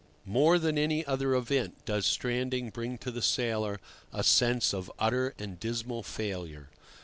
More than any other event does stranding bring to the sailor a sense of utter and dismal failure.